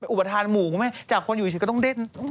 อุปทานหมู่คุณแม่จากคนอยู่เฉยก็ต้องเด้น